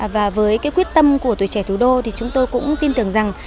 và với cái quyết tâm của tuổi trẻ thủ đô thì chúng tôi cũng tin tưởng rằng